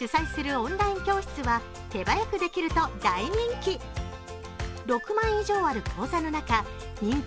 オンライン教室は手早くできると大人気。